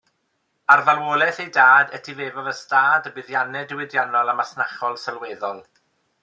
Ar farwolaeth ei dad, etifeddodd ystâd a buddiannau diwydiannol a masnachol sylweddol.